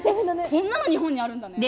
こんなの日本にあるんだね。